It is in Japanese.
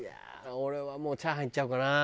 俺はもう炒飯いっちゃおうかな。